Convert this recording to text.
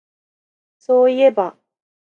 そういえば